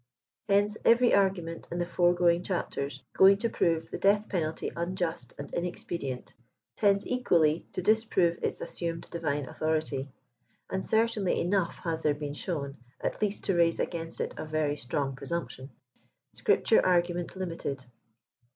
Hence, every argument in the foregoing chitpters, going to prove the death penalty unjust and inexpedient, tends equally to disprove its assumed divine authority; and certainly enough has there been shown, at least to raise against it a very strong presumption. SCRIPTURE ARGUMENT LIMITED."